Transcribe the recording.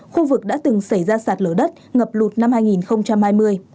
khu vực đã từng xảy ra sạt lở đất ngập lụt năm hai nghìn hai mươi